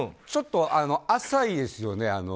ちょっと浅いですよね。